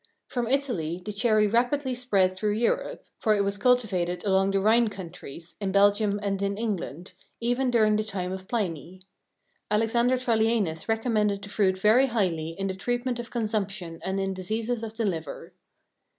From Italy the cherry rapidly spread through Europe, for it was cultivated along the Rhine countries, in Belgium and in England, even during the time of Pliny. Alexander Trallianus recommended the fruit very highly in the treatment of consumption and in diseases of the liver.